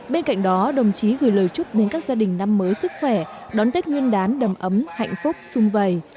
bên cạnh đó đồng chí gửi lời chúc đến các gia đình năm mới sức khỏe đón tết nguyên đán đầm ấm hạnh phúc sung vầy